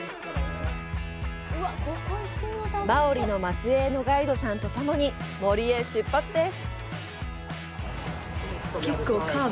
マオリの末裔のガイドさんと共に森へ出発です！